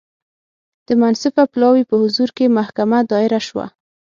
د منصفه پلاوي په حضور کې محکمه دایره شوه.